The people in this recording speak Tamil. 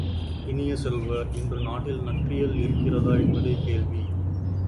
இனிய செல்வ, இன்று நாட்டில் நட்பியல் இருக்கிறதா என்பதே கேள்வி!